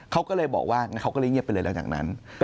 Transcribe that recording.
เขาก็เลยบอกว่างั้นเขาก็เลยเงียบไปเลยแล้วจากนั้น